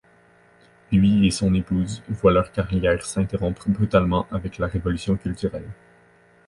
Lui et son épouse voient leur carrière s'interrompre brutalement avec la révolution culturelle.